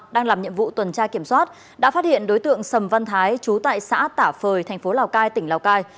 đang làm nhiệm vụ tuần tra kiểm soát đã phát hiện đối tượng sầm văn thái trú tại xã tả phời thành phố lào cai tỉnh lào cai